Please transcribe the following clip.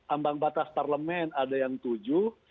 ambang batas parlemen ada yang tujuh